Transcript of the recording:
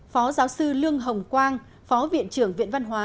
phó giáo sư lương hồng quang phó viện trưởng viện văn hóa